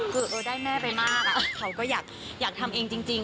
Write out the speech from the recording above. คือเราได้แม่ไปมากเขาก็อยากทำเองจริง